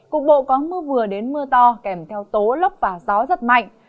cục bộ có mưa vừa đến mưa to kèm theo tố lóc và gió giật mạnh